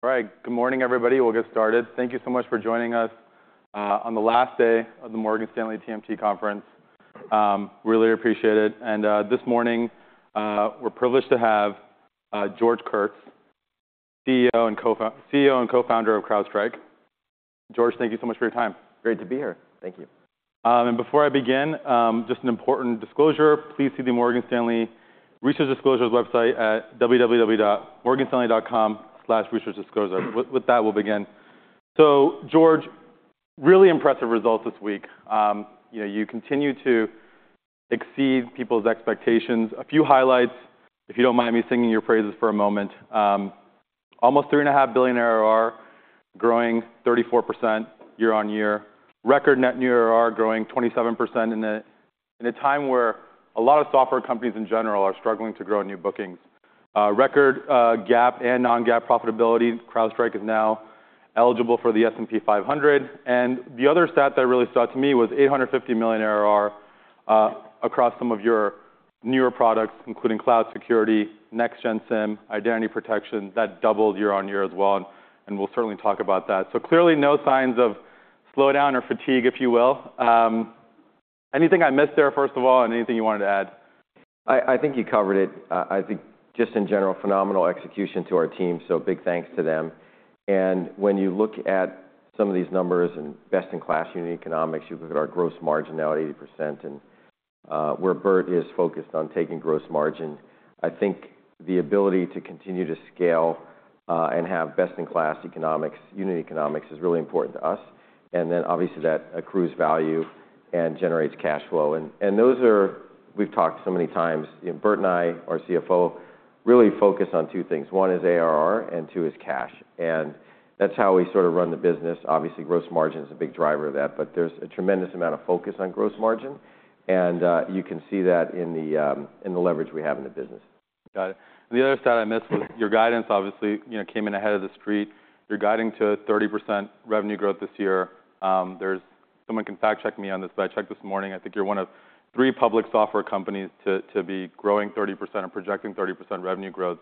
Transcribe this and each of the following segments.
All right. Good morning, everybody. We'll get started. Thank you so much for joining us on the last day of the Morgan Stanley TMT Conference. Really appreciate it. This morning, we're privileged to have George Kurtz, CEO and co-founder of CrowdStrike. George, thank you so much for your time. Great to be here. Thank you. And before I begin, just an important disclosure. Please see the Morgan Stanley Research Disclosures website at www.morganstanley.com/researchdisclosures. With that, we'll begin. So, George, really impressive results this week. You know, you continue to exceed people's expectations. A few highlights, if you don't mind me singing your praises for a moment. Almost $3.5 billion ARR, growing 34% year-over-year. Record net new ARR, growing 27% in a time where a lot of software companies in general are struggling to grow new bookings. Record GAAP and non-GAAP profitability. CrowdStrike is now eligible for the S&P 500. And the other stat that really stood out to me was $850 million ARR across some of your newer products, including cloud security, Next-Gen SIEM, identity protection. That doubled year-over-year as well. And we'll certainly talk about that. So clearly, no signs of slowdown or fatigue, if you will. Anything I missed there, first of all, and anything you wanted to add? I think you covered it. I think just in general, phenomenal execution to our team. So big thanks to them. And when you look at some of these numbers and best-in-class unit economics, you look at our gross margin now at 80%. And where Burt is focused on taking gross margin, I think the ability to continue to scale, and have best-in-class economics, unit economics, is really important to us. And then, obviously, that accrues value and generates cash flow. And those are. We've talked so many times. You know, Burt and I, our CFO, really focus on two things. One is ARR, and two is cash. And that's how we sort of run the business. Obviously, gross margin is a big driver of that. But there's a tremendous amount of focus on gross margin. You can see that in the leverage we have in the business. Got it. The other stat I missed was your guidance, obviously. You know, came in ahead of the street. You're guiding to 30% revenue growth this year. There's someone can fact-check me on this, but I checked this morning. I think you're one of three public software companies to, to be growing 30% and projecting 30% revenue growth.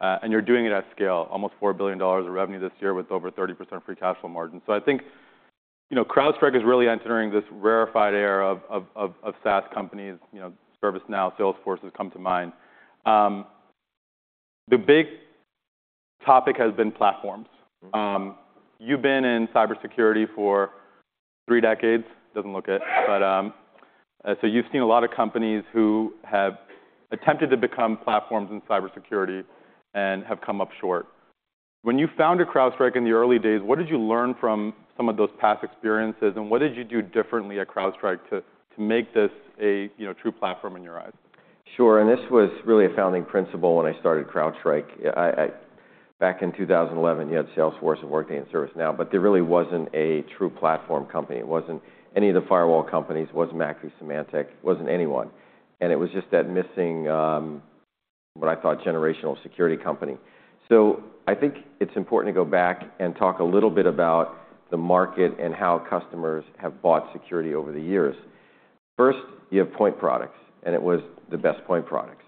And you're doing it at scale, almost $4 billion of revenue this year with over 30% free cash flow margin. So I think, you know, CrowdStrike is really entering this rarefied era of, of, of, of SaaS companies. You know, ServiceNow, Salesforce has come to mind. The big topic has been platforms. You've been in cybersecurity for three decades. Doesn't look it. But, so you've seen a lot of companies who have attempted to become platforms in cybersecurity and have come up short. When you founded CrowdStrike in the early days, what did you learn from some of those past experiences? What did you do differently at CrowdStrike to make this a, you know, true platform in your eyes? Sure. And this was really a founding principle when I started CrowdStrike. I, I back in 2011, you had Salesforce and Workday and ServiceNow. But there really wasn't a true platform company. It wasn't any of the firewall companies. It wasn't ArcSight, Symantec. It wasn't anyone. It was just that missing, what I thought generational security company. So I think it's important to go back and talk a little bit about the market and how customers have bought security over the years. First, you have point products. It was the best point products.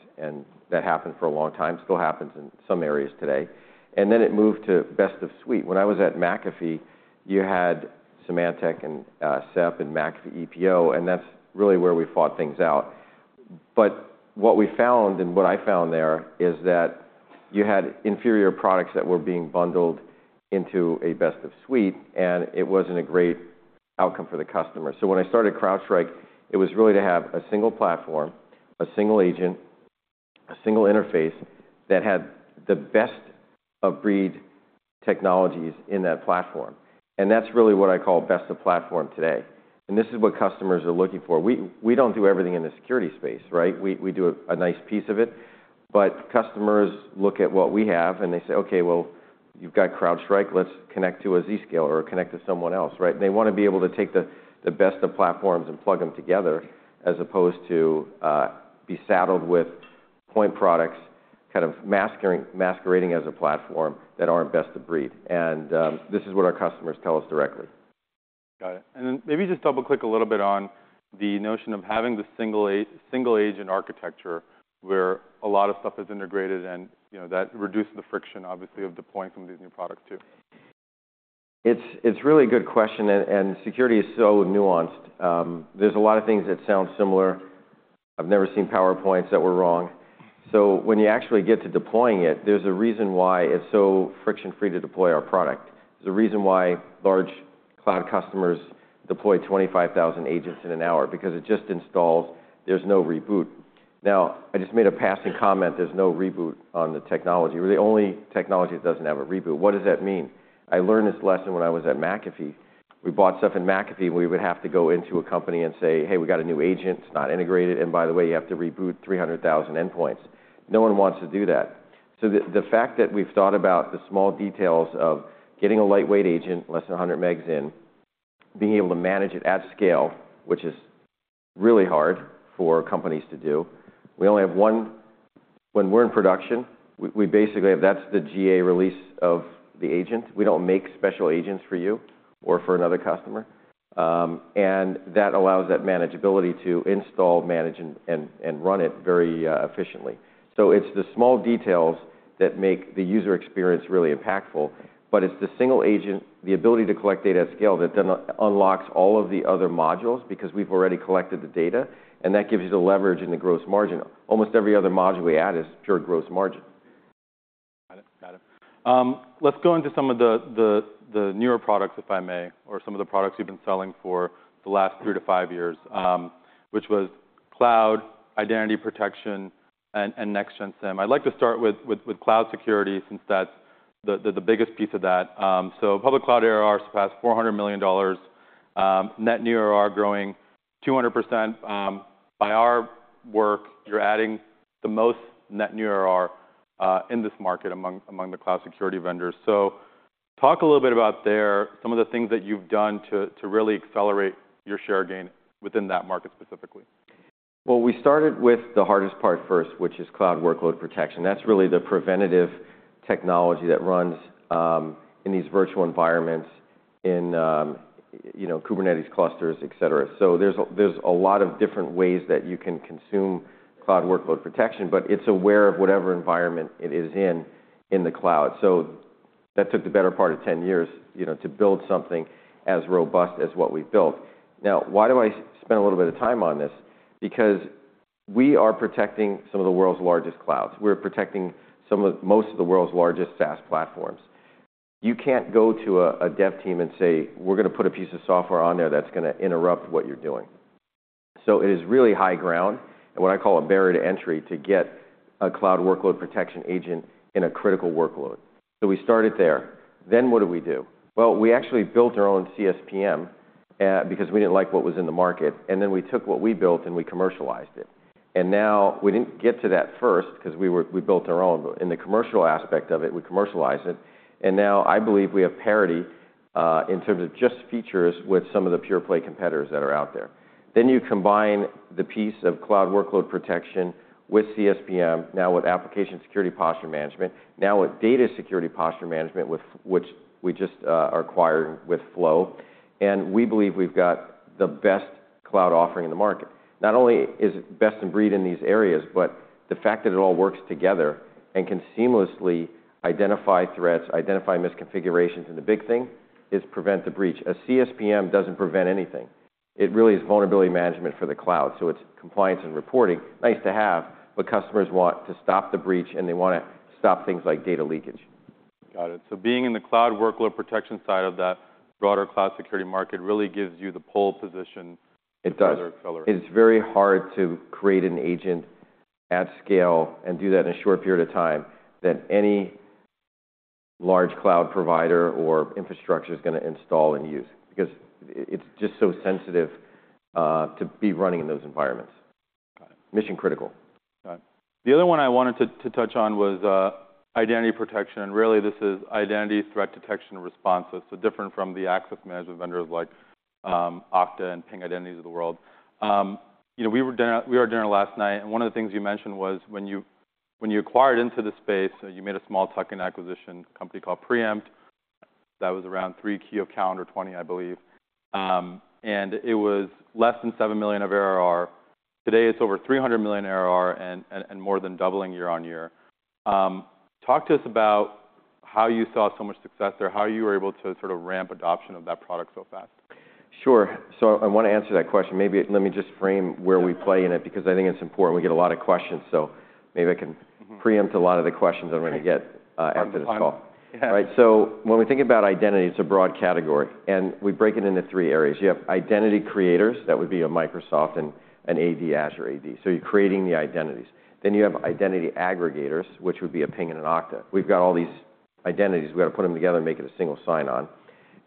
That happened for a long time. Still happens in some areas today. Then it moved to best-of-suite. When I was at McAfee, you had Symantec and SEP and McAfee ePO. That's really where we fought things out. But what we found and what I found there is that you had inferior products that were being bundled into a best-of-suite. And it wasn't a great outcome for the customer. So when I started CrowdStrike, it was really to have a single platform, a single agent, a single interface that had the best-of-breed technologies in that platform. And that's really what I call best-of-platform today. And this is what customers are looking for. We, we don't do everything in the security space, right? We, we do a, a nice piece of it. But customers look at what we have, and they say, "Okay. Well, you've got CrowdStrike. Let's connect to a Zscaler or connect to someone else," right? They wanna be able to take the best-of-platforms and plug them together as opposed to be saddled with point products, kind of masquerading as a platform that aren't best-of-breed. And this is what our customers tell us directly. Got it. And then maybe just double-click a little bit on the notion of having the single agent architecture where a lot of stuff is integrated and, you know, that reduces the friction, obviously, of deploying some of these new products too. It's, it's a really good question. And, and security is so nuanced. There's a lot of things that sound similar. I've never seen PowerPoints that were wrong. So when you actually get to deploying it, there's a reason why it's so friction-free to deploy our product. There's a reason why large cloud customers deploy 25,000 agents in an hour because it just installs. There's no reboot. Now, I just made a passing comment. There's no reboot on the technology. We're the only technology that doesn't have a reboot. What does that mean? I learned this lesson when I was at McAfee. We bought stuff in McAfee. We would have to go into a company and say, "Hey, we got a new agent. It's not integrated. And by the way, you have to reboot 300,000 endpoints." No one wants to do that. So the fact that we've thought about the small details of getting a lightweight agent, less than 100 MB in, being able to manage it at scale, which is really hard for companies to do, we only have one when we're in production, we basically have that's the GA release of the agent. We don't make special agents for you or for another customer. And that allows that manageability to install, manage, and run it very efficiently. So it's the small details that make the user experience really impactful. But it's the single agent, the ability to collect data at scale that then unlocks all of the other modules because we've already collected the data. And that gives you the leverage in the gross margin. Almost every other module we add is pure gross margin. Got it. Got it. Let's go into some of the newer products, if I may, or some of the products you've been selling for the last three to five years, which was cloud, identity protection, and Next-Gen SIEM. I'd like to start with cloud security since that's the biggest piece of that. So public cloud ARR surpassed $400 million. Net new ARR growing 200%. By our work, you're adding the most net new ARR in this market among the cloud security vendors. So talk a little bit about there, some of the things that you've done to really accelerate your share gain within that market specifically. Well, we started with the hardest part first, which is cloud workload protection. That's really the preventative technology that runs in these virtual environments in, you know, Kubernetes clusters, etc. So there's a lot of different ways that you can consume cloud workload protection. But it's aware of whatever environment it is in, in the cloud. So that took the better part of 10 years, you know, to build something as robust as what we've built. Now, why do I spend a little bit of time on this? Because we are protecting some of the world's largest clouds. We're protecting some of most of the world's largest SaaS platforms. You can't go to a dev team and say, "We're gonna put a piece of software on there that's gonna interrupt what you're doing." So it is really high ground and what I call a barrier to entry to get a cloud workload protection agent in a critical workload. So we started there. Then what did we do? Well, we actually built our own CSPM, because we didn't like what was in the market. And then we took what we built, and we commercialized it. And now we didn't get to that first 'cause we built our own. But in the commercial aspect of it, we commercialized it. And now I believe we have parity, in terms of just features with some of the pure-play competitors that are out there. Then you combine the piece of cloud workload protection with CSPM, now with application security posture management, now with data security posture management with which we just are acquiring with Flow. And we believe we've got the best cloud offering in the market. Not only is it best-of-breed in these areas, but the fact that it all works together and can seamlessly identify threats, identify misconfigurations in the big thing is prevent the breach. A CSPM doesn't prevent anything. It really is vulnerability management for the cloud. So it's compliance and reporting. Nice to have, but customers want to stop the breach, and they wanna stop things like data leakage. Got it. So being in the cloud workload protection side of that broader cloud security market really gives you the pole position. It does. To further accelerate. It's very hard to create an agent at scale and do that in a short period of time than any large cloud provider or infrastructure is gonna install and use because it's just so sensitive to be running in those environments. Got it. Mission critical. Got it. The other one I wanted to touch on was identity protection. And really, this is Identity Threat Detection and Response. So different from the access management vendors like Okta and Ping Identity of the world. You know, we had dinner last night. And one of the things you mentioned was when you acquired into the space, you made a small tuck-in acquisition, a company called Preempt. That was around Q3 of calendar 2020, I believe. And it was less than $7 million of ARR. Today, it's over $300 million ARR and more than doubling year on year. Talk to us about how you saw so much success there, how you were able to sort of ramp adoption of that product so fast. Sure. I wanna answer that question. Maybe let me just frame where we play in it because I think it's important. We get a lot of questions. Maybe I can preempt a lot of the questions I'm gonna get after this call. Okay. I'm fine. Right? So when we think about identity, it's a broad category. And we break it into three areas. You have identity creators. That would be a Microsoft and an AD, Azure AD. So you're creating the identities. Then you have identity aggregators, which would be a Ping and an Okta. We've got all these identities. We gotta put them together and make it a single sign-on.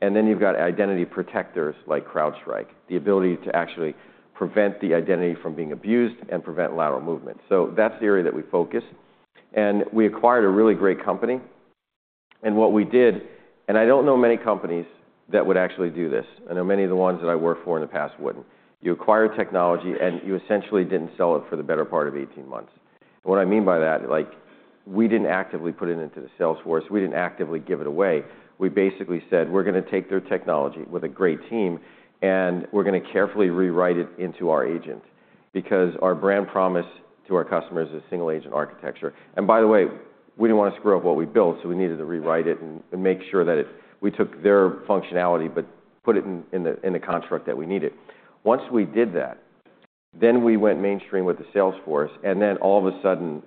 And then you've got identity protectors like CrowdStrike, the ability to actually prevent the identity from being abused and prevent lateral movement. So that's the area that we focus. And we acquired a really great company. And what we did and I don't know many companies that would actually do this. I know many of the ones that I worked for in the past wouldn't. You acquire technology, and you essentially didn't sell it for the better part of 18 months. What I mean by that, like, we didn't actively put it into the Salesforce. We didn't actively give it away. We basically said, "We're gonna take their technology with a great team, and we're gonna carefully rewrite it into our agent because our brand promise to our customers is single agent architecture." And by the way, we didn't wanna screw up what we built. So we needed to rewrite it and make sure that we took their functionality but put it in the construct that we needed. Once we did that, then we went mainstream with the Salesforce. And then all of a sudden,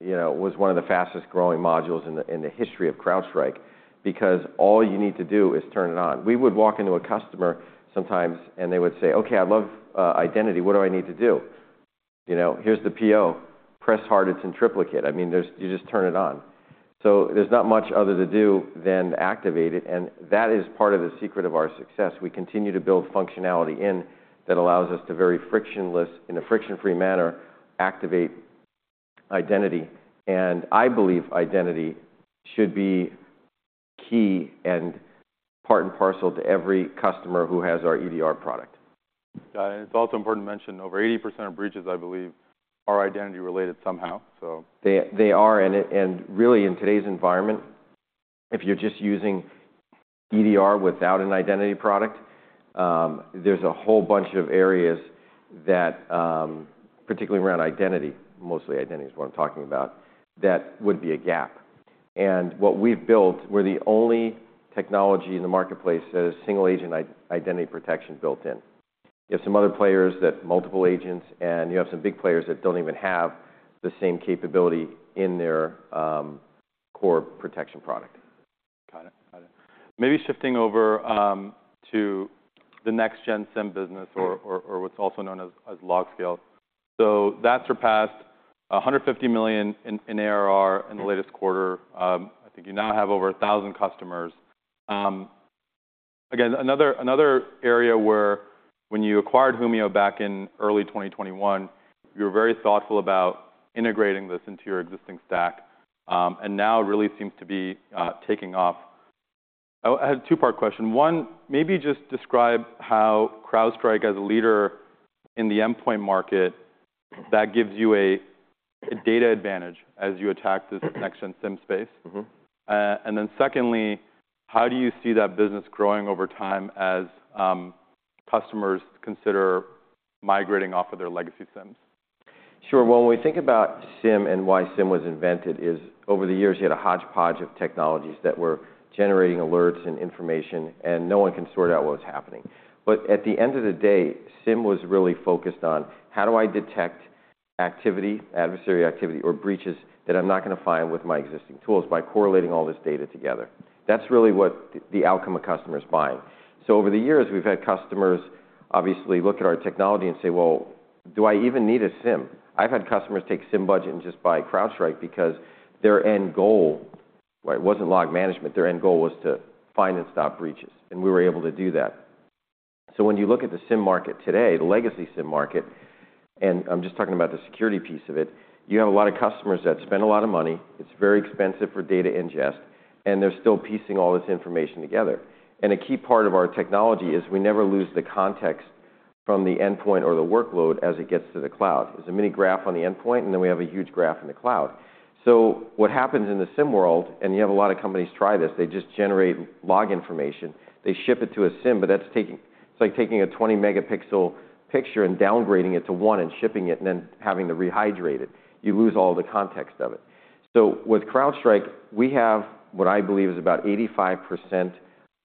you know, it was one of the fastest-growing modules in the history of CrowdStrike because all you need to do is turn it on. We would walk into a customer sometimes, and they would say, "Okay. I love identity. "What do I need to do?" You know, "Here's the PO. Press hard. It's in triplicate." I mean, there's you just turn it on. So there's not much other to do than activate it. And that is part of the secret of our success. We continue to build functionality in that allows us to very frictionless, in a friction-free manner, activate identity. And I believe identity should be key and part and parcel to every customer who has our EDR product. Got it. It's also important to mention over 80% of breaches, I believe, are identity-related somehow, so. They, they are. And really, in today's environment, if you're just using EDR without an identity product, there's a whole bunch of areas that, particularly around identity, mostly identity is what I'm talking about, that would be a gap. And what we've built, we're the only technology in the marketplace that has single agent identity protection built in. You have some other players that multiple agents, and you have some big players that don't even have the same capability in their core protection product. Got it. Got it. Maybe shifting over to the Next-Gen SIEM business or what's also known as LogScale. So that surpassed $150 million in ARR in the latest quarter. I think you now have over 1,000 customers. Again, another area where when you acquired Humio back in early 2021, you were very thoughtful about integrating this into your existing stack. And now it really seems to be taking off. I had a two-part question. One, maybe just describe how CrowdStrike, as a leader in the endpoint market, that gives you a data advantage as you attack this Next-Gen SIEM space. Mm-hmm. Secondly, how do you see that business growing over time as customers consider migrating off of their legacy SIEMs? Sure. Well, when we think about SIEM and why SIEM was invented is over the years, you had a hodgepodge of technologies that were generating alerts and information, and no one can sort out what was happening. But at the end of the day, SIEM was really focused on, "How do I detect activity, adversary activity, or breaches that I'm not gonna find with my existing tools by correlating all this data together?" That's really what the outcome a customer's buying. So over the years, we've had customers obviously look at our technology and say, "Well, do I even need a SIEM?" I've had customers take SIEM budget and just buy CrowdStrike because their end goal, right, it wasn't log management, their end goal was to find and stop breaches. And we were able to do that. So when you look at the SIEM market today, the legacy SIEM market—and I'm just talking about the security piece of it—you have a lot of customers that spend a lot of money. It's very expensive for data ingest. And they're still piecing all this information together. And a key part of our technology is we never lose the context from the endpoint or the workload as it gets to the cloud. There's a mini graph on the endpoint, and then we have a huge graph in the cloud. So what happens in the SIEM world—and you have a lot of companies try this—they just generate log information. They ship it to a SIEM. But that's taking—it's like taking a 20-megapixel picture and downgrading it to one and shipping it and then having to rehydrate it. You lose all the context of it. So with CrowdStrike, we have what I believe is about 85%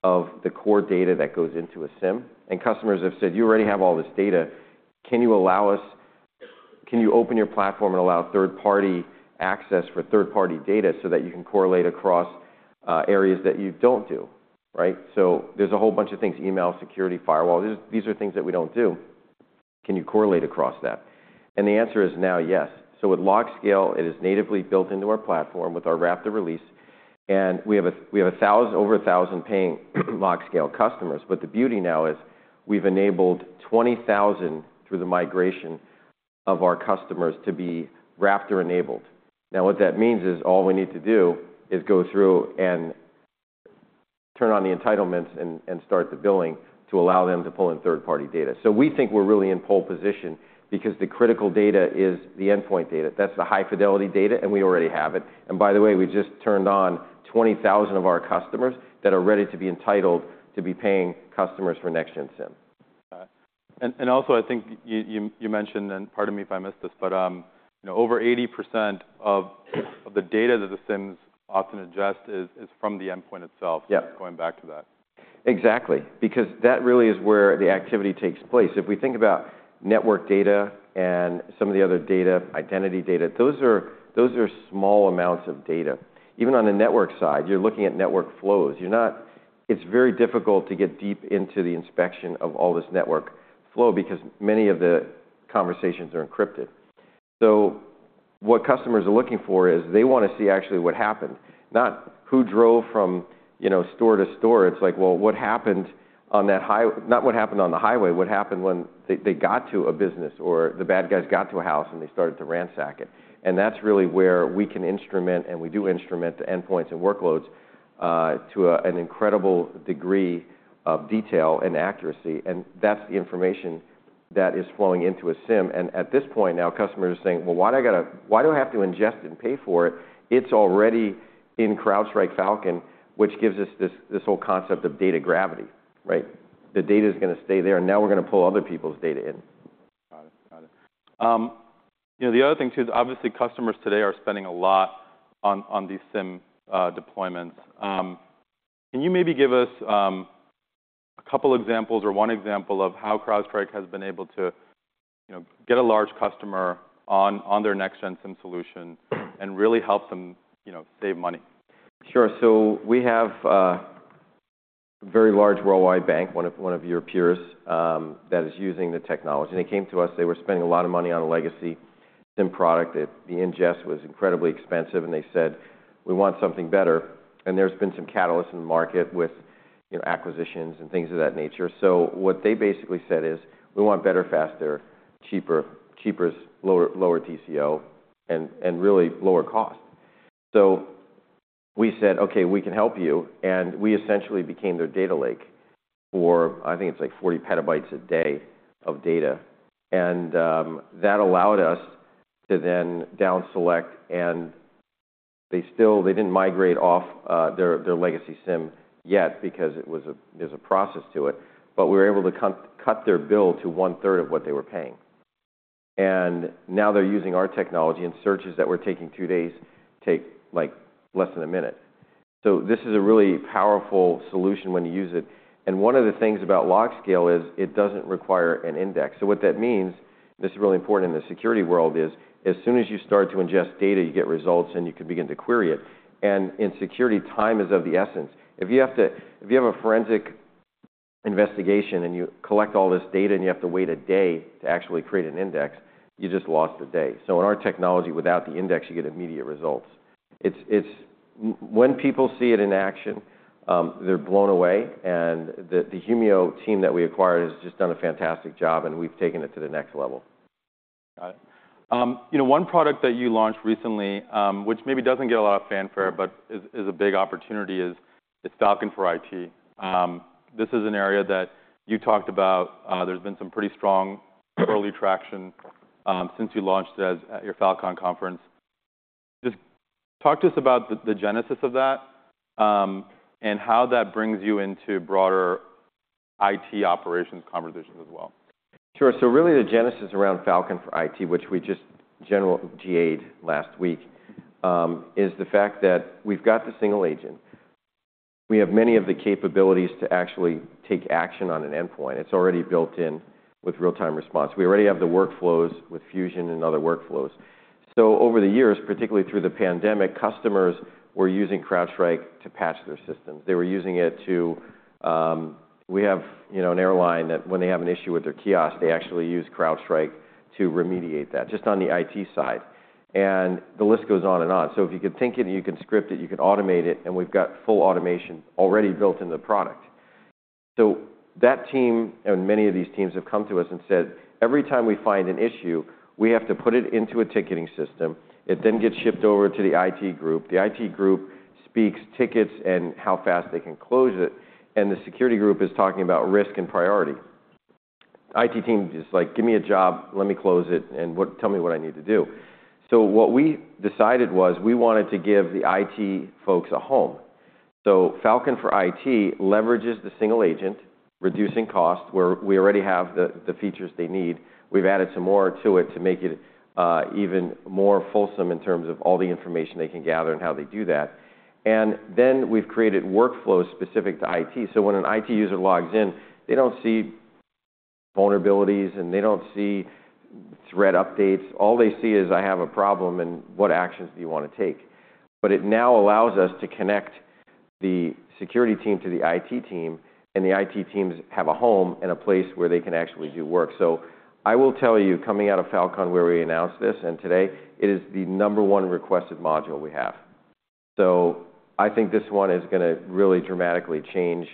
of the core data that goes into a SIEM. And customers have said, "You already have all this data. Can you open your platform and allow third-party access for third-party data so that you can correlate across areas that you don't do?" Right? So there's a whole bunch of things: email, security, firewall. These are things that we don't do. Can you correlate across that? And the answer is now yes. So with LogScale, it is natively built into our platform with our Raptor release. And we have over 1,000 paying LogScale customers. But the beauty now is we've enabled 20,000 through the migration of our customers to be Raptor enabled. Now, what that means is all we need to do is go through and turn on the entitlements and start the billing to allow them to pull in third-party data. So we think we're really in pole position because the critical data is the endpoint data. That's the high-fidelity data. And we already have it. And by the way, we just turned on 20,000 of our customers that are ready to be entitled to be paying customers for Next-Gen SIEM. Got it. And also, I think you mentioned, and pardon me if I missed this, but, you know, over 80% of the data that the SIEMs often ingest is from the endpoint itself. Yep. Going back to that. Exactly. Because that really is where the activity takes place. If we think about network data and some of the other data, identity data, those are small amounts of data. Even on the network side, you're looking at network flows. It's very difficult to get deep into the inspection of all this network flow because many of the conversations are encrypted. So what customers are looking for is they wanna see actually what happened, not who drove from, you know, store to store. It's like, "Well, what happened on that highway?" Not what happened on the highway. What happened when they got to a business or the bad guys got to a house, and they started to ransack it? And that's really where we can instrument, and we do instrument, the endpoints and workloads, to an incredible degree of detail and accuracy. That's the information that is flowing into a SIEM. At this point now, customers are saying, "Well, why do I have to ingest and pay for it?" It's already in CrowdStrike Falcon, which gives us this whole concept of Data Gravity. Right? The data's gonna stay there. And now we're gonna pull other people's data in. Got it. Got it. You know, the other thing too is obviously, customers today are spending a lot on, on these SIEM deployments. Can you maybe give us, a couple examples or one example of how CrowdStrike has been able to, you know, get a large customer on, on their Next-Gen SIEM solution and really help them, you know, save money? Sure. So we have a very large worldwide bank, one of your peers, that is using the technology. And they came to us. They were spending a lot of money on a legacy SIEM product. The ingest was incredibly expensive. And they said, "We want something better." And there's been some catalyst in the market with, you know, acquisitions and things of that nature. So what they basically said is, "We want better, faster, cheaper, lower TCO and really lower cost." So we said, "Okay. We can help you." And we essentially became their data lake for, I think it's like 40 PB a day of data. And that allowed us to then downselect. And they still didn't migrate off their legacy SIEM yet because there's a process to it. But we were able to cut their bill to one-third of what they were paying. And now they're using our technology. And searches that we're taking two days take, like, less than a minute. So this is a really powerful solution when you use it. And one of the things about LogScale is it doesn't require an index. So what that means, and this is really important in the security world, is, as soon as you start to ingest data, you get results, and you can begin to query it. And in security, time is of the essence. If you have a forensic investigation, and you collect all this data, and you have to wait a day to actually create an index, you just lost the day. So in our technology, without the index, you get immediate results. It's when people see it in action, they're blown away. And the Humio team that we acquired has just done a fantastic job. And we've taken it to the next level. Got it. You know, one product that you launched recently, which maybe doesn't get a lot of fanfare but is a big opportunity, is Falcon for IT. This is an area that you talked about. There's been some pretty strong early traction, since you launched it at your Falcon conference. Just talk to us about the genesis of that, and how that brings you into broader IT operations conversations as well. Sure. So really, the genesis around Falcon for IT, which we just general GA'd last week, is the fact that we've got the single agent. We have many of the capabilities to actually take action on an endpoint. It's already built in with real-time response. We already have the workflows with Fusion and other workflows. So over the years, particularly through the pandemic, customers were using CrowdStrike to patch their systems. They were using it to, we have, you know, an airline that when they have an issue with their kiosk, they actually use CrowdStrike to remediate that just on the IT side. And the list goes on and on. So if you could think it, you could script it. You could automate it. And we've got full automation already built into the product. So that team and many of these teams have come to us and said, "Every time we find an issue, we have to put it into a ticketing system. It then gets shipped over to the IT group. The IT group speaks tickets and how fast they can close it. And the security group is talking about risk and priority." The IT team is like, "Give me a job. Let me close it. And tell me what I need to do." So what we decided was we wanted to give the IT folks a home. So Falcon for IT leverages the single agent, reducing cost, where we already have the features they need. We've added some more to it to make it even more fulsome in terms of all the information they can gather and how they do that. And then we've created workflows specific to IT. So when an IT user logs in, they don't see vulnerabilities, and they don't see threat updates. All they see is, "I have a problem. And what actions do you wanna take?" But it now allows us to connect the security team to the IT team. And the IT teams have a home and a place where they can actually do work. So I will tell you, coming out of Falcon where we announced this and today, it is the number one requested module we have. So I think this one is gonna really dramatically change,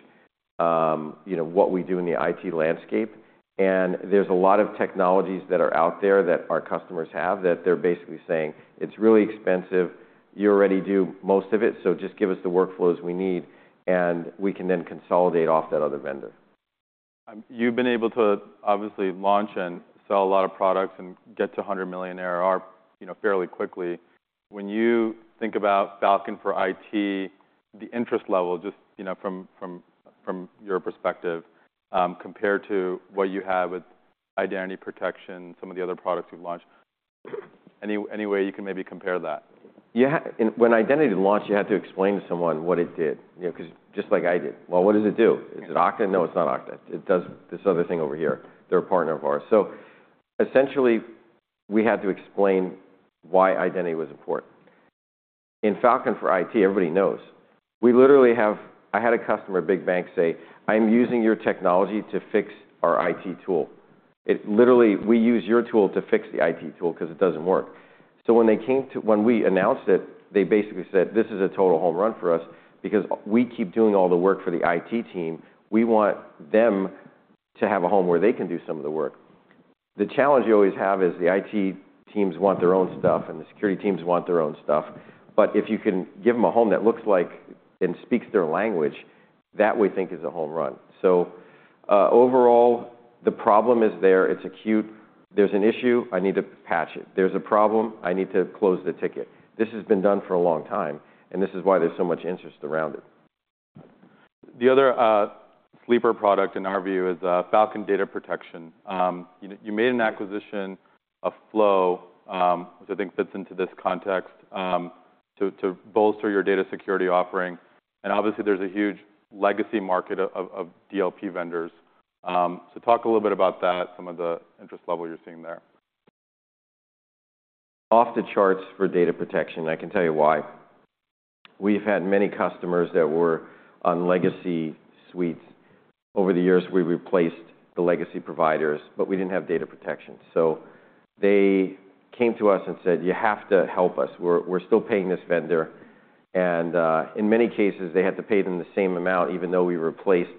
you know, what we do in the IT landscape. And there's a lot of technologies that are out there that our customers have that they're basically saying, "It's really expensive. You already do most of it. So just give us the workflows we need. And we can then consolidate off that other vendor. You've been able to obviously launch and sell a lot of products and get to $100 million ARR, you know, fairly quickly. When you think about Falcon for IT, the interest level just, you know, from your perspective, compared to what you have with identity protection, some of the other products you've launched, any way you can maybe compare that? Yeah, and when identity launched, you had to explain to someone what it did, you know, 'cause just like I did, "Well, what does it do? Is it Okta?" "No, it's not Okta. It does this other thing over here. They're a partner of ours." So essentially, we had to explain why identity was important. In Falcon for IT, everybody knows, we literally have. I had a customer, a big bank, say, "I'm using your technology to fix our IT tool." It literally, "We use your tool to fix the IT tool 'cause it doesn't work." So when they came to, when we announced it, they basically said, "This is a total home run for us because we keep doing all the work for the IT team. We want them to have a home where they can do some of the work." The challenge you always have is the IT teams want their own stuff, and the security teams want their own stuff. But if you can give them a home that looks like and speaks their language, that we think is a home run. So, overall, the problem is there. It's acute. There's an issue. I need to patch it. There's a problem. I need to close the ticket. This has been done for a long time. This is why there's so much interest around it. The other sleeper product in our view is Falcon Data Protection. You know, you made an acquisition of Flow, which I think fits into this context, to bolster your data security offering. And obviously, there's a huge legacy market of DLP vendors. So talk a little bit about that, some of the interest level you're seeing there. Off the charts for data protection. I can tell you why. We've had many customers that were on legacy suites. Over the years, we replaced the legacy providers. But we didn't have data protection. So they came to us and said, "You have to help us. We're, we're still paying this vendor." And, in many cases, they had to pay them the same amount even though we replaced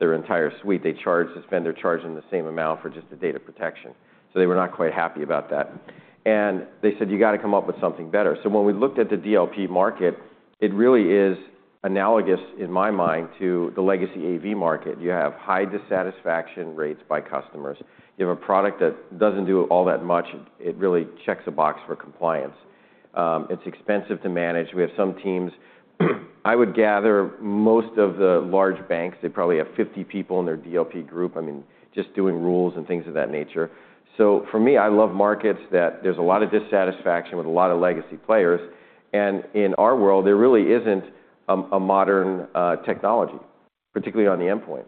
their entire suite. They charged this vendor charging the same amount for just the data protection. So they were not quite happy about that. And they said, "You gotta come up with something better." So when we looked at the DLP market, it really is analogous, in my mind, to the legacy AV market. You have high dissatisfaction rates by customers. You have a product that doesn't do all that much. It, it really checks a box for compliance. It's expensive to manage. We have some teams. I would gather most of the large banks, they probably have 50 people in their DLP group, I mean, just doing rules and things of that nature. So for me, I love markets that there's a lot of dissatisfaction with a lot of legacy players. And in our world, there really isn't a, a modern, technology, particularly on the endpoint.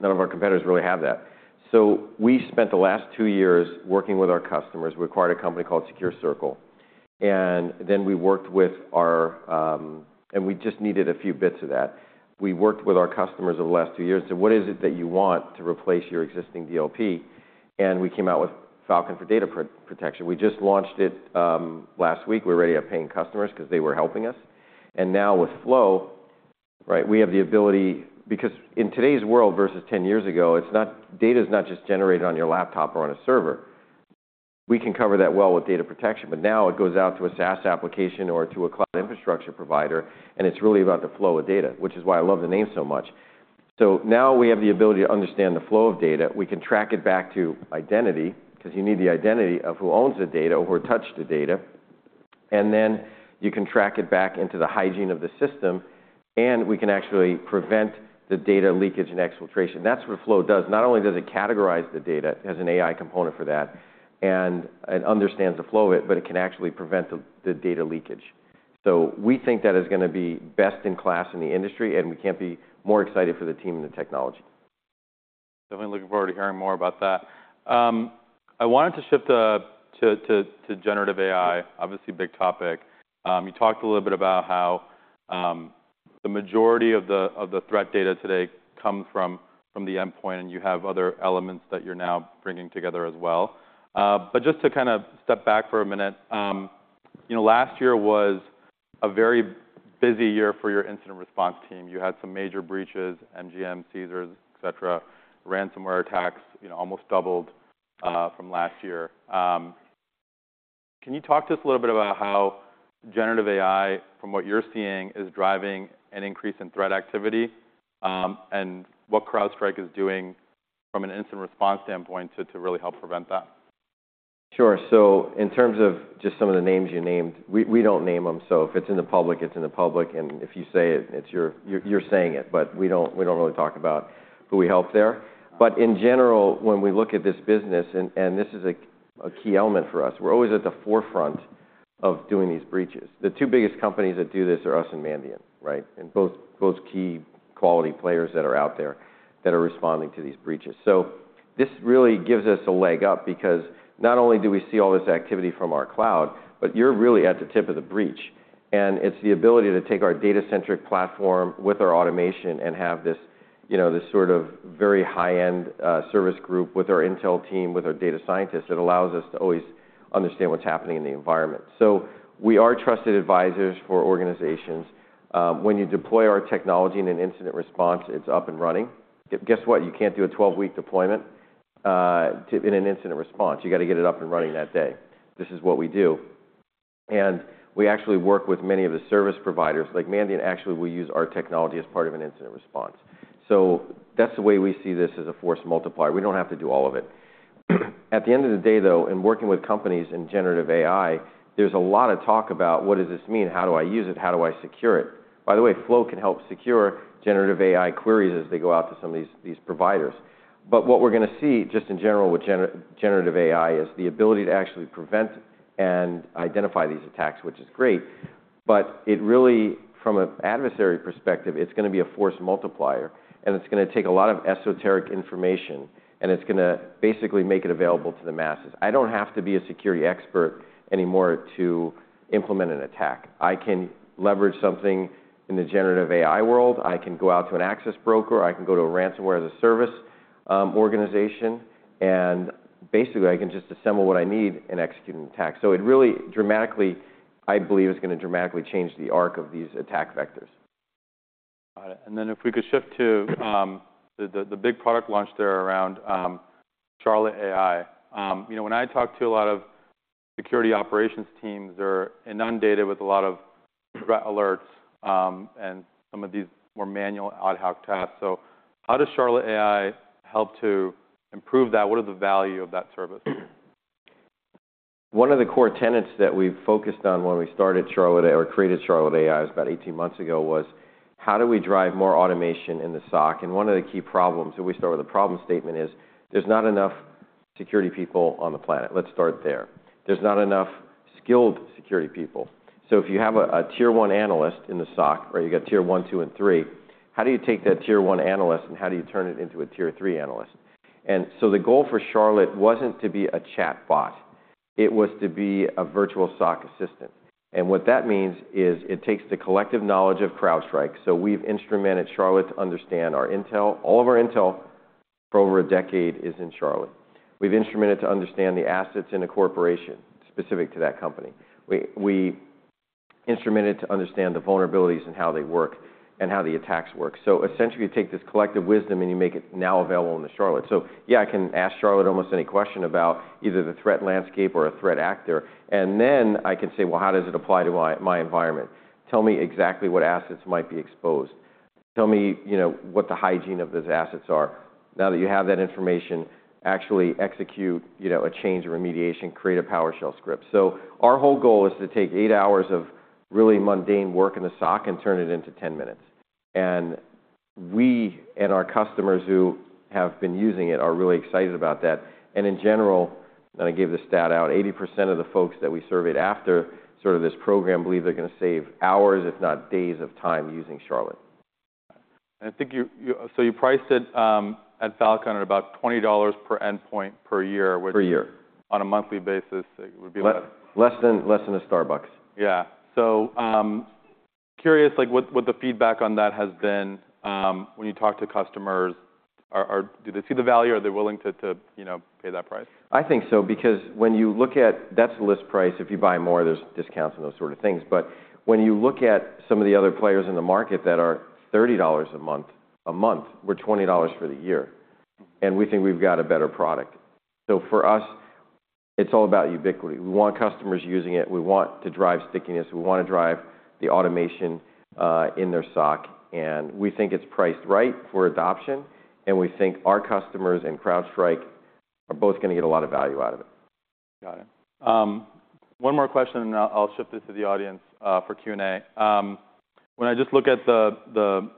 None of our competitors really have that. So we spent the last two years working with our customers. We acquired a company called SecureCircle. And then we worked with our, and we just needed a few bits of that. We worked with our customers over the last two years and said, "What is it that you want to replace your existing DLP?" And we came out with Falcon for Data Protection. We just launched it, last week. We're already paying customers 'cause they were helping us. And now with Flow, right, we have the ability because in today's world versus 10 years ago, it's not data's not just generated on your laptop or on a server. We can cover that well with data protection. But now it goes out to a SaaS application or to a cloud infrastructure provider. And it's really about the flow of data, which is why I love the name so much. So now we have the ability to understand the flow of data. We can track it back to identity 'cause you need the identity of who owns the data or who touched the data. And then you can track it back into the hygiene of the system. And we can actually prevent the data leakage and exfiltration. That's what Flow does. Not only does it categorize the data (it has an AI component for that) and understands the flow of it, but it can actually prevent the data leakage. So we think that is gonna be best in class in the industry. And we can't be more excited for the team and the technology. Definitely looking forward to hearing more about that. I wanted to shift to generative AI. Obviously, big topic. You talked a little bit about how the majority of the threat data today comes from the endpoint. And you have other elements that you're now bringing together as well. But just to kinda step back for a minute, you know, last year was a very busy year for your incident response team. You had some major breaches, MGM, Caesars, etc. Ransomware attacks, you know, almost doubled from last year. Can you talk to us a little bit about how generative AI, from what you're seeing, is driving an increase in threat activity, and what CrowdStrike is doing from an incident response standpoint to really help prevent that? Sure. So in terms of just some of the names you named, we don't name them. So if it's in the public, it's in the public. And if you say it, it's you're saying it. But we don't really talk about who we help there. But in general, when we look at this business and this is a key element for us, we're always at the forefront of doing these breaches. The two biggest companies that do this are us and Mandiant, right, and both key quality players that are out there that are responding to these breaches. So this really gives us a leg up because not only do we see all this activity from our cloud, but you're really at the tip of the breach. And it's the ability to take our data-centric platform with our automation and have this, you know, this sort of very high-end service group with our Intel team, with our data scientists that allows us to always understand what's happening in the environment. So we are trusted advisors for organizations. When you deploy our technology in an incident response, it's up and running. Guess what? You can't do a 12-week deployment, to in an incident response. You gotta get it up and running that day. This is what we do. And we actually work with many of the service providers. Like Mandiant, actually, we use our technology as part of an incident response. So that's the way we see this as a force multiplier. We don't have to do all of it. At the end of the day, though, in working with companies in generative AI, there's a lot of talk about, "What does this mean? How do I use it? How do I secure it?" By the way, Flow can help secure generative AI queries as they go out to some of these providers. But what we're gonna see just in general with generative AI is the ability to actually prevent and identify these attacks, which is great. But it really, from an adversary perspective, it's gonna be a force multiplier. And it's gonna take a lot of esoteric information. And it's gonna basically make it available to the masses. I don't have to be a security expert anymore to implement an attack. I can leverage something in the generative AI world. I can go out to an access broker. I can go to a ransomware as a service, organization. Basically, I can just assemble what I need and execute an attack. It really dramatically, I believe, is gonna dramatically change the arc of these attack vectors. Got it. And then if we could shift to the big product launch there around Charlotte AI. You know, when I talk to a lot of security operations teams, they're inundated with a lot of threat alerts, and some of these more manual ad hoc tasks. So how does Charlotte AI help to improve that? What are the value of that service? One of the core tenets that we've focused on when we started Charlotte AI or created Charlotte AI, it was about 18 months ago, was, "How do we drive more automation in the SOC?" One of the key problems if we start with the problem statement is there's not enough security people on the planet. Let's start there. There's not enough skilled security people. If you have a tier-one analyst in the SOC, right, you got tier one, two, and three, how do you take that tier-one analyst and how do you turn it into a tier-three analyst? The goal for Charlotte wasn't to be a chatbot. It was to be a virtual SOC assistant. What that means is it takes the collective knowledge of CrowdStrike. We've instrumented Charlotte to understand our Intel. All of our Intel for over a decade is in Charlotte. We've instrumented it to understand the assets in a corporation specific to that company. We, we instrumented it to understand the vulnerabilities and how they work and how the attacks work. So essentially, you take this collective wisdom and you make it now available in the Charlotte. So yeah, I can ask Charlotte almost any question about either the threat landscape or a threat actor. And then I can say, "Well, how does it apply to my, my environment? Tell me exactly what assets might be exposed. Tell me, you know, what the hygiene of those assets are. Now that you have that information, actually execute, you know, a change or remediation, create a PowerShell script." So our whole goal is to take eight hours of really mundane work in the SOC and turn it into 10 minutes. We and our customers who have been using it are really excited about that. In general, I gave the stat out, 80% of the folks that we surveyed after sort of this program believe they're gonna save hours, if not days, of time using Charlotte. Got it. And I think, so you priced it at Falcon at about $20 per endpoint per year, which. Per year. On a monthly basis, it would be less. Less than a Starbucks. Yeah. So, curious, like, what the feedback on that has been, when you talk to customers, do they see the value? Are they willing to, you know, pay that price? I think so, because when you look at, that's the list price. If you buy more, there's discounts and those sort of things. But when you look at some of the other players in the market that are $30 a month, we're $20 for the year. And we think we've got a better product. So for us, it's all about ubiquity. We want customers using it. We want to drive stickiness. We wanna drive the automation in their SOC. And we think it's priced right for adoption. And we think our customers and CrowdStrike are both gonna get a lot of value out of it. Got it. One more question. And I'll, I'll shift this to the audience, for Q and A. When I just look at the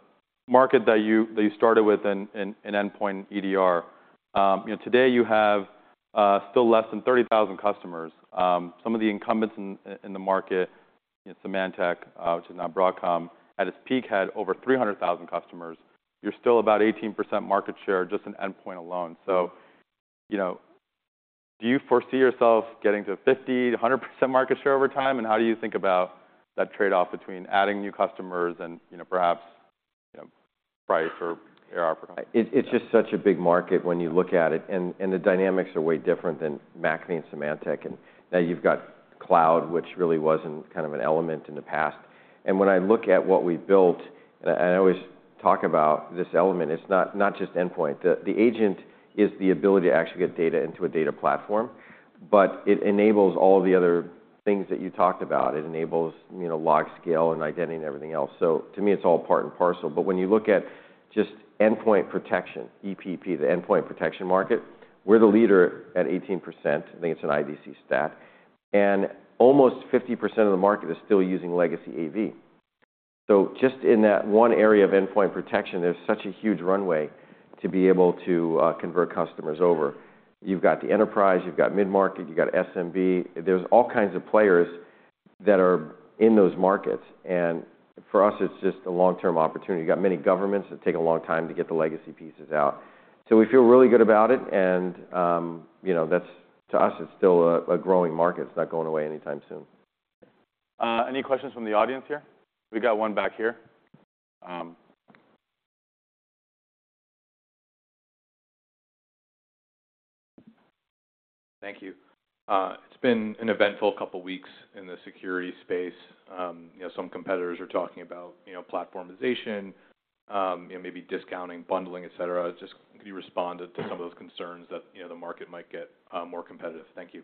market that you started with in endpoint EDR, you know, today, you have still less than 30,000 customers. Some of the incumbents in the market, you know, Symantec, which is now Broadcom, at its peak had over 300,000 customers. You're still about 18% market share just in endpoint alone. So, you know, do you foresee yourself getting to 50%-100% market share over time? And how do you think about that trade-off between adding new customers and, you know, perhaps, you know, price or ARR per cost? It's just such a big market when you look at it. And the dynamics are way different than McAfee and Symantec. And now you've got cloud, which really wasn't kind of an element in the past. And when I look at what we built, I always talk about this element. It's not just endpoint. The agent is the ability to actually get data into a data platform. But it enables all of the other things that you talked about. It enables, you know, log scale and identity and everything else. So to me, it's all part and parcel. But when you look at just endpoint protection, EPP, the endpoint protection market, we're the leader at 18%. I think it's an IDC stat. And almost 50% of the market is still using legacy AV. So just in that one area of endpoint protection, there's such a huge runway to be able to convert customers over. You've got the enterprise. You've got mid-market. You've got SMB. There's all kinds of players that are in those markets. And for us, it's just a long-term opportunity. You've got many governments. It'd take a long time to get the legacy pieces out. So we feel really good about it. And, you know, that's to us, it's still a growing market. It's not going away anytime soon. Any questions from the audience here? We got one back here. Thank you. It's been an eventful couple of weeks in the security space. You know, some competitors are talking about, you know, platformization, you know, maybe discounting, bundling, etc. Just could you respond to, to some of those concerns that, you know, the market might get more competitive? Thank you.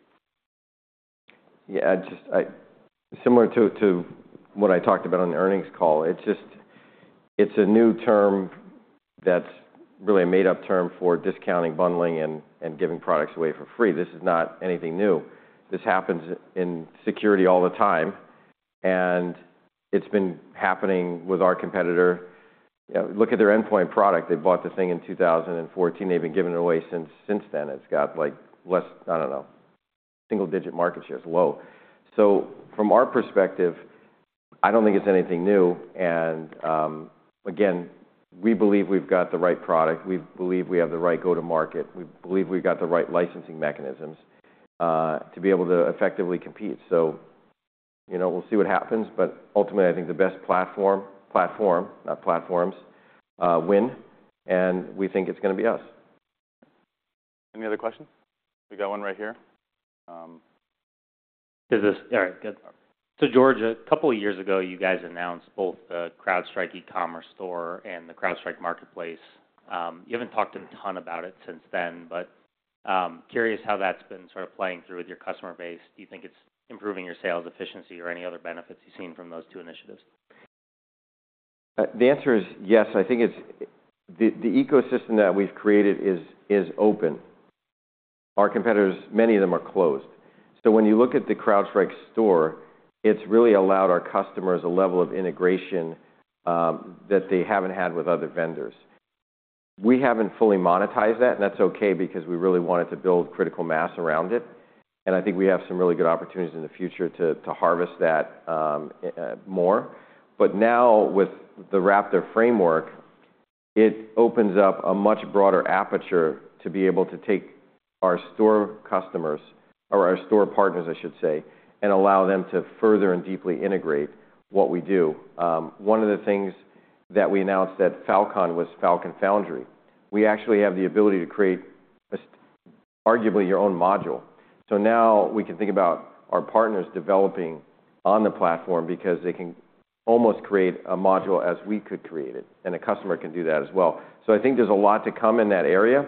Yeah. I just, similar to what I talked about on the earnings call, it's just a new term that's really a made-up term for discounting, bundling, and giving products away for free. This is not anything new. This happens in security all the time. And it's been happening with our competitor. You know, look at their endpoint product. They bought the thing in 2014. They've been giving it away since then. It's got, like, less—I don't know. Single-digit market share is low. So from our perspective, I don't think it's anything new. And, again, we believe we've got the right product. We believe we have the right go-to-market. We believe we've got the right licensing mechanisms, to be able to effectively compete. So, you know, we'll see what happens. But ultimately, I think the best platform, not platforms, win. We think it's gonna be us. Any other questions? We got one right here. Is this all right? Good. So George, a couple of years ago, you guys announced both the CrowdStrike Store and the CrowdStrike Marketplace. You haven't talked a ton about it since then. But, curious how that's been sort of playing through with your customer base. Do you think it's improving your sales efficiency or any other benefits you've seen from those two initiatives? The answer is yes. I think it's the ecosystem that we've created is open. Our competitors, many of them, are closed. So when you look at the CrowdStrike Store, it's really allowed our customers a level of integration that they haven't had with other vendors. We haven't fully monetized that. And that's okay because we really wanted to build critical mass around it. And I think we have some really good opportunities in the future to harvest that in more. But now with the Raptor framework, it opens up a much broader aperture to be able to take our store customers or our store partners, I should say, and allow them to further and deeply integrate what we do. One of the things that we announced at Falcon was Falcon Foundry. We actually have the ability to create a custom arguably your own module. So now we can think about our partners developing on the platform because they can almost create a module as we could create it. And a customer can do that as well. So I think there's a lot to come in that area.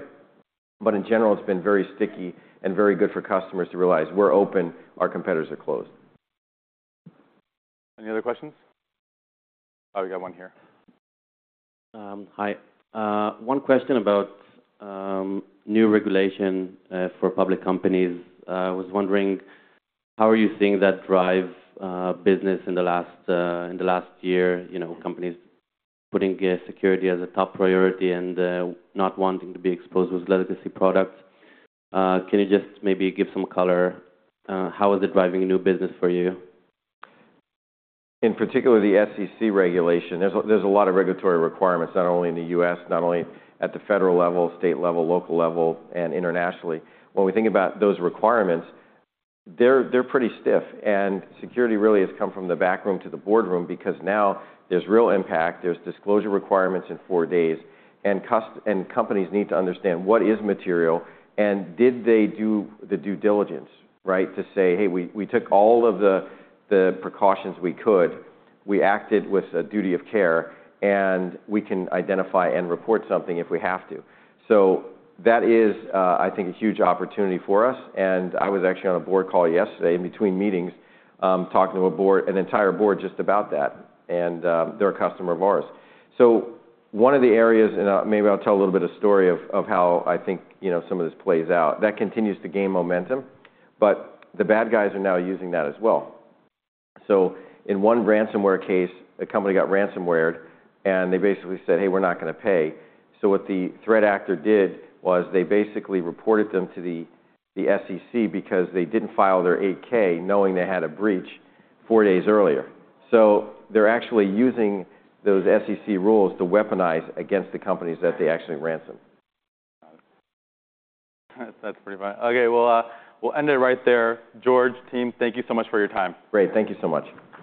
But in general, it's been very sticky and very good for customers to realize, "We're open. Our competitors are closed. Any other questions? Oh, we got one here. Hi. One question about new regulation for public companies. I was wondering, how are you seeing that drive business in the last year, you know, companies putting security as a top priority and not wanting to be exposed with legacy products? Can you just maybe give some color? How is it driving new business for you? In particular, the SEC regulation. There's a lot of regulatory requirements not only in the U.S., not only at the federal level, state level, local level, and internationally. When we think about those requirements, they're pretty stiff. And security really has come from the back room to the boardroom because now there's real impact. There's disclosure requirements in four days. And customers and companies need to understand what is material. And did they do the due diligence, right, to say, "Hey, we took all of the precautions we could. We acted with a duty of care. And we can identify and report something if we have to." So that is, I think, a huge opportunity for us. And I was actually on a board call yesterday in between meetings, talking to an entire board just about that. And, they're a customer of ours. So one of the areas, and maybe I'll tell a little bit of a story of how I think, you know, some of this plays out. That continues to gain momentum. But the bad guys are now using that as well. So in one ransomware case, a company got ransomwared. And they basically said, "Hey, we're not gonna pay." So what the threat actor did was they basically reported them to the SEC because they didn't file their 8-K knowing they had a breach four days earlier. So they're actually using those SEC rules to weaponize against the companies that they actually ransom. Got it. That's pretty fun. Okay. Well, we'll end it right there. George, team, thank you so much for your time. Great. Thank you so much.